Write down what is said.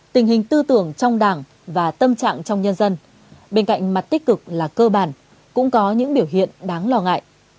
tình hình tư tưởng trong đảng và tâm trạng trong nhân dân bên cạnh mặt tích cực là cơ bản cũng có những biểu hiện đáng lo ngại